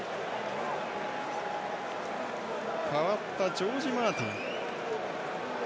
代わったジョージ・マーティン。